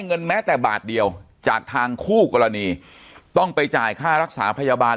เงินแม้แต่บาทเดียวจากทางคู่กรณีต้องไปจ่ายค่ารักษาพยาบาล